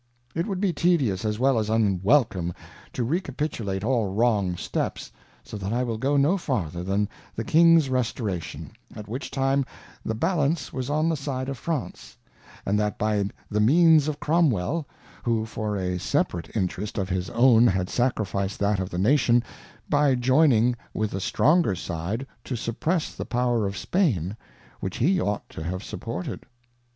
It \vould be tedious, as well as unwelcome, to recapitulate all our wrong steps, so that I will go no farther than the King's Restauration, at which time the Balance was on the side of France, and that by the means of Cromwell, who for^ separate Interest of a Trimmer. 89 Interest of his own had sacrificed that of the Nation, by joining * with the stronger side^ to suppress the Power of Spain, which he ought to have supported.